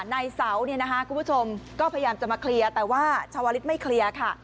ในเสาเนี่ยนะคะคุณผู้ชมก็พยายามจะมาเคลียร์แต่ว่าชาวลิศไม่เคลียร์ค่ะ